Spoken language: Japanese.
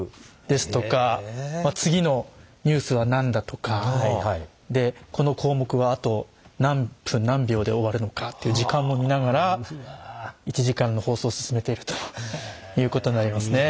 ですとか次のニュースは何だとかでこの項目はあと何分何秒で終わるのかっていう時間も見ながら１時間の放送を進めているということになりますね。